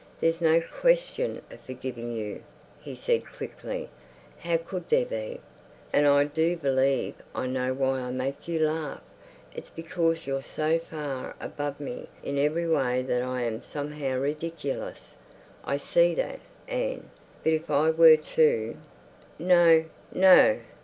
"There's no question of forgiving you," he said quickly. "How could there be? And I do believe I know why I make you laugh. It's because you're so far above me in every way that I am somehow ridiculous. I see that, Anne. But if I were to—" "No, no."